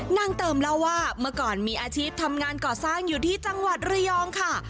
นางเติมเล่าว่าเมื่อก่อนมีอาชีพทำงานก่อสร้างอยู่ที่จังหวัดระยองค่ะ